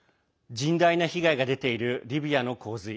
甚大な被害が出ているリビアの洪水。